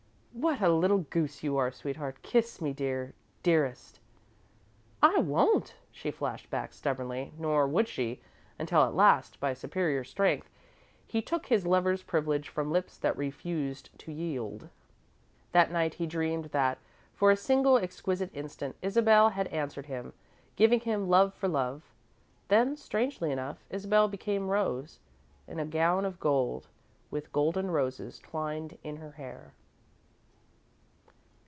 "What a little goose you are, sweetheart. Kiss me, dear dearest." "I won't," she flashed back, stubbornly, nor would she, until at last, by superior strength, he took his lover's privilege from lips that refused to yield. That night he dreamed that, for a single exquisite instant, Isabel had answered him, giving him love for love. Then, strangely enough, Isabel became Rose, in a gown of gold, with golden roses twined in her hair.